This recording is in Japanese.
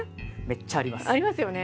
めっちゃあります。